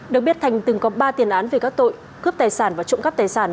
được biết thành từng có ba tiền án về các tội cướp tài sản và trộm cắp tài sản